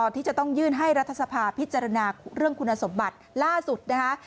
ที่จะต้องยื่นให้รัฐสภาพิจารณาเรื่องคุณสมบัติล่าสุดนะคะ